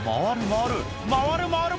回る回る！